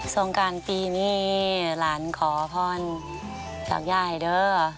งการปีนี้หลานขอพรจากยายเด้อ